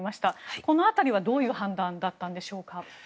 この辺りは、どういう判断だったんでしょうか。